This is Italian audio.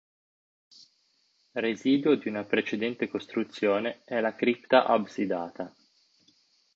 Residuo di una precedente costruzione è la cripta absidata.